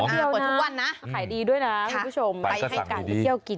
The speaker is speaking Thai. เปิดทุกวันนะขายดีด้วยนะคุณผู้ชมไปให้การไปเที่ยวกิน